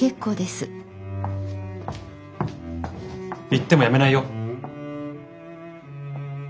言ってもやめないよ。